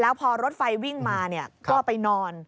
พอรถไฟวิ่งมาก็ไปนอน